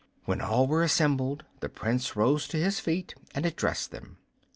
When all were assembled, the Prince rose to his feet and addressed them.